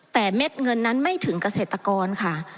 แต่เม็ดเงินนั้นไม่ถึงเกษตรกรค่ะ